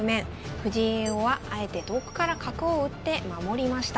藤井叡王はあえて遠くから角を打って守りました。